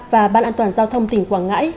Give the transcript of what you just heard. và ban an toàn giao thông tỉnh quảng ngãi